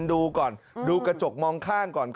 ดูก่อนดูกระจกมองข้างก่อน